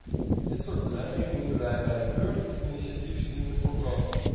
Dit soort belemmeringen moeten wij bij het burgerinitiatief zien te voorkomen.